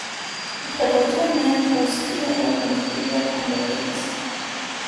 Օգտագործում են նաև ոսկրի և այլ նյութերի վրա քանդակելիս։